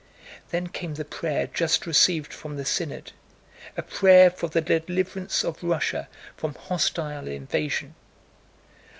Then came the prayer just received from the Synod—a prayer for the deliverance of Russia from hostile invasion.